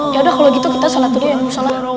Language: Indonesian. yaudah kalo gitu kita sholat dulu ya sholat yuk